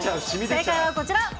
正解はこちら。